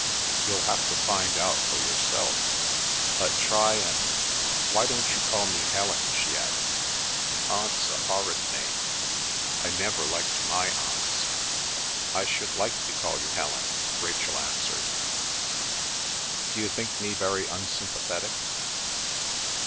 "You'll have to find out for yourself. But try and—Why don't you call me Helen?" she added. "'Aunt's' a horrid name. I never liked my Aunts." "I should like to call you Helen," Rachel answered. "D'you think me very unsympathetic?"